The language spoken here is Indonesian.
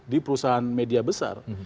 di perusahaan media besar